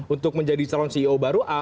untuk menjadi calon ceo baru